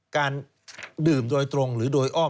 การดื่มโดยตรงหรือโดยอ้อม